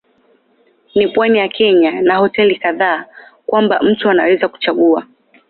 Ni pwani ya Kenya na hoteli kadhaa kwamba mtu anaweza kuchagua.